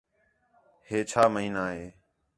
ہِے چھا مہینہ ہے؟